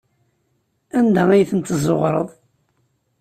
Anda ay tent-tezzuɣreḍ?